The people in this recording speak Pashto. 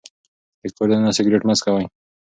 د کور دننه سګرټ مه څکوئ.